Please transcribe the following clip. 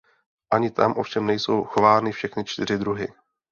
Ani tam ovšem nejsou chovány všechny čtyři druhy.